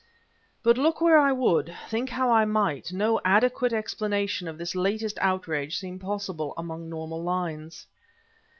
But, look where I would, think how I might, no adequate explanation of this latest outrage seemed possible along normal lines.